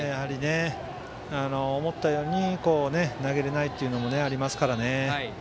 思ったように投げられないというのもありますからね。